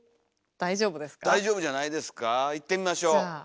大丈夫じゃないですかいってみましょう。